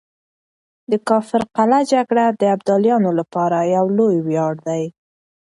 د کافر قلعه جګړه د ابدالیانو لپاره يو لوی وياړ دی.